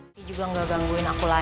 ini juga nggak gangguin aku lagi